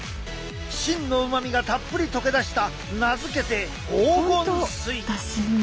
芯のうまみがたっぷり溶け出した名付けて黄金水！